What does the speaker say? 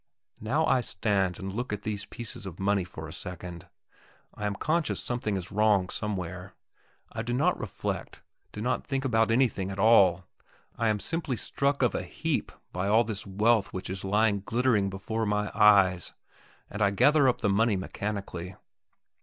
Now I stand and look at these pieces of money for a second. I am conscious something is wrong somewhere. I do not reflect; do not think about anything at all I am simply struck of a heap by all this wealth which is lying glittering before my eyes and I gather up the money mechanically.